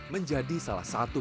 menjadi salah satu